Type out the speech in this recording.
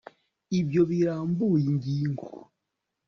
ibyo birambuye ingingo